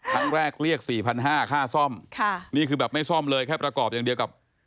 เรียกสี่พันห้าค่าซ่อมค่ะนี่คือแบบไม่ซ่อมเลยแค่ประกอบอย่างเดียวกับ